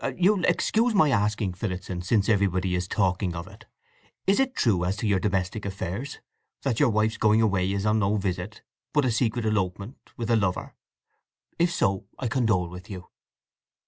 "You'll excuse my asking, Phillotson, since everybody is talking of it: is this true as to your domestic affairs—that your wife's going away was on no visit, but a secret elopement with a lover? If so, I condole with you."